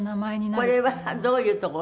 これはどういうところ？